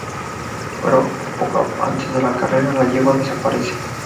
Pero, poco antes de la carrera, la yegua desaparece.